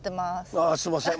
ああすいません。